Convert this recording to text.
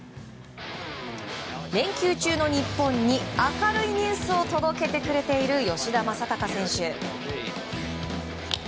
連休中の日本に明るいニュースを届けてくれている吉田正尚選手。